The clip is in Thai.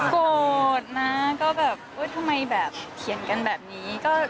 โกรธนะก็แบบทำไมแบบเขียนกันแบบนี้